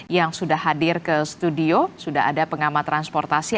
yang sudah hadir ke studio sudah ada pengamat transportasi